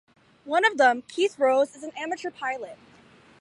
One of them, Keith Rose, is an amateur pilot.